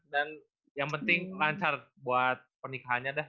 dan yang penting lancar buat pernikahannya dah